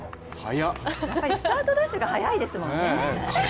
スタートダッシュが早いですもんね。